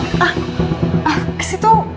ah ah kesitu